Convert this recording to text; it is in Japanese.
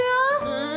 うん。